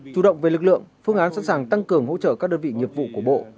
chủ động về lực lượng phương án sẵn sàng tăng cường hỗ trợ các đơn vị nghiệp vụ của bộ